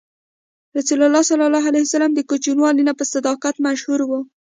رسول الله ﷺ د کوچنیوالي نه په صداقت مشهور و.